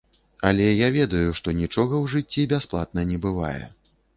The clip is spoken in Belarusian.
Але я ведаю, што нічога ў жыцці бясплатна не бывае.